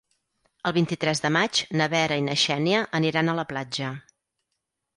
El vint-i-tres de maig na Vera i na Xènia aniran a la platja.